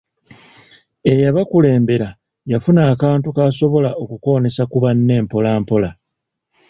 Eyabakulembera yafuna akantu k'asobola okukoonesa ku banne mpolampola.